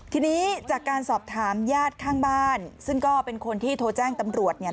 ทีนี้จากการสอบถามญาติข้างบ้านซึ่งก็เป็นคนที่โทรแจ้งตำรวจเนี่ย